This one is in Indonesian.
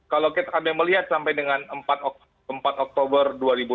kalau kita melihat sampai dengan empat oktober dua ribu dua puluh